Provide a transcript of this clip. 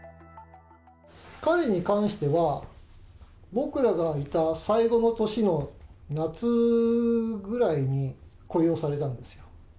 彼に関しては、僕らがいた最後の年の夏ぐらいに雇用されたんですよ。